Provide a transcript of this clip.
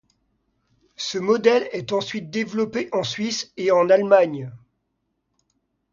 Ce modèle est ensuite développé en Suisse et en Allemagne.